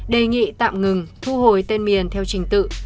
đề nghị tạm ngừng thu hồi tên miền theo trình tự